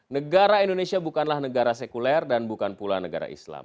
negara indonesia bukanlah negara sekuler dan bukan pula negara islam